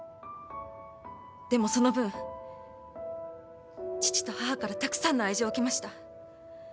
でもその分父と母からたくさんの愛情を受けました。